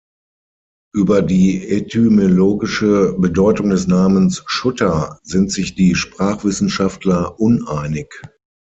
Über die etymologische Bedeutung des Namens „Schutter“ sind sich die Sprachwissenschaftler uneinig.